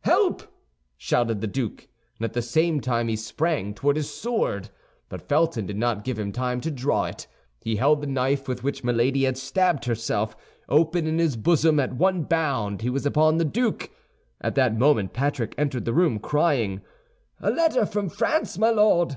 "Help!" shouted the duke; and at the same time he sprang toward his sword. But Felton did not give him time to draw it. He held the knife with which Milady had stabbed herself, open in his bosom; at one bound he was upon the duke. At that moment Patrick entered the room, crying, "A letter from France, my Lord."